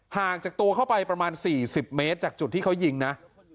ห่างจากตัวเข้าไปประมาณ๔๐เมตรจากจุดที่เขายิงนะ